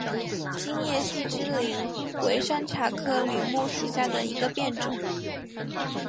金叶细枝柃为山茶科柃木属下的一个变种。